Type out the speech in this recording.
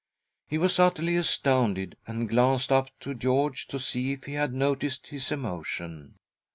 He was utterly astounded, and glanced up to George to see if he had noticed his emotion.